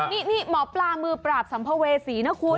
นี่หมอปลามือปราบสัมภเวษีนะคุณ